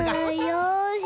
よし。